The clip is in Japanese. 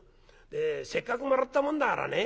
でせっかくもらったもんだからね